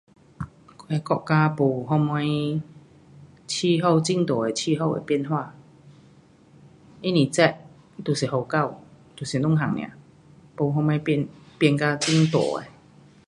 国家没什么气候很大的气候的变化。不是热就是雨到。就是两样 nia. 没什么变,变到很大的。